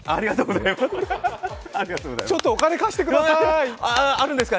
ちょっとお金貸してください。